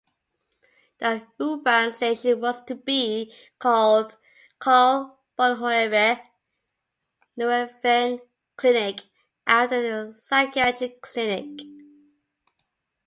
The U-Bahn station was to be called Karl-Bonhoeffer-Nervenklinik after the psychiatric clinic.